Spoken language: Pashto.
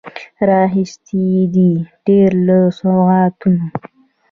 راخیستي یې دي، ډیر له سوغاتونو